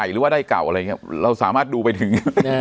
เราสามารถดูไปถึง